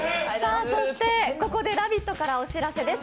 ここで「ラヴィット！」からお知らせです